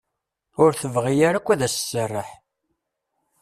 Ur tebɣi ara akk ad as-tesserreḥ.